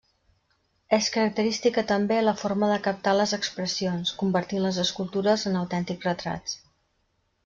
És característica també la forma de captar les expressions, convertint les escultures en autèntics retrats.